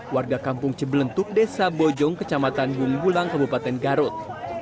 warga kampung cebelentuk desa bojong kecamatan gunggulang kabupaten garut